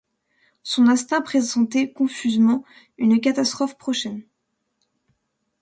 Son instinct pressentait confusément une catastrophe prochaine.